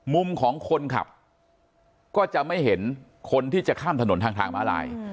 มุมของคนขับก็จะไม่เห็นคนที่จะข้ามถนนทางทางมาลาย